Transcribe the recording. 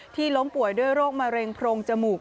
ล้มป่วยด้วยโรคมะเร็งโพรงจมูก